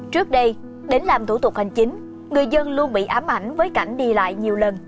trước đây đến làm thủ tục hành chính người dân luôn bị ám ảnh với cảnh đi lại nhiều lần